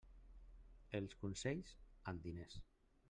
Els consells, amb diners.